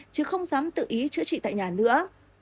chứ không dám tự ý chữa trị tại nhà nữa